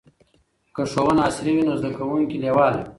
که ښوونه عصري وي نو زده کوونکي لیواله وي.